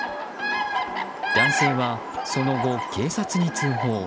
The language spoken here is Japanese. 男性はその後、警察に通報。